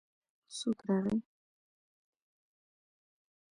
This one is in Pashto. څوک راغی.